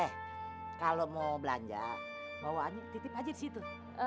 eh kalau mau belanja bawaannya titip aja di situ